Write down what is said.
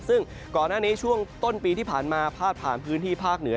ซึ่งก่อนหน้านี้ช่วงต้นปีที่ผ่านมาพาดผ่านพื้นที่ภาคเหนือ